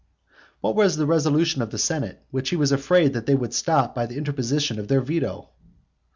What was the resolution of the senate which he was afraid that they would stop by the interposition of their veto?